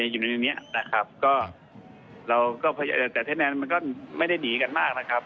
อยู่ในนี้นะครับก็เราก็แต่เทศแนนมันก็ไม่ได้หนีกันมากนะครับ